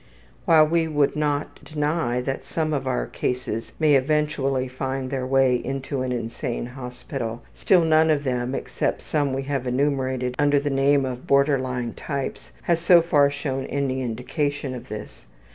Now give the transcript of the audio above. While we would not deny that some of our cases may eventually find their way into an insane hospital, still none of them, except some we have enumerated under the name of border line types, has so far shown any indication of this.